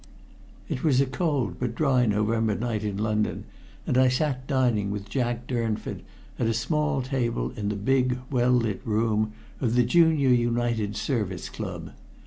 It was a cold but dry November night in London, and I sat dining with Jack Durnford at a small table in the big, well lit room of the Junior United Service Club.